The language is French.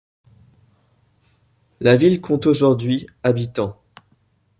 La ville compte aujourd'hui habitants.